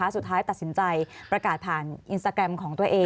สุดท้ายตัดสินใจประกาศผ่านอินสตาแกรมของตัวเอง